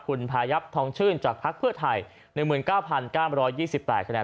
คุณพายับทองชื่นจากภักดิ์เพื่อไทย๑๙๙๒๘แน